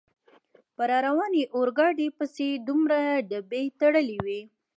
په را روانې اورګاډي پسې دومره ډبې تړلې وې.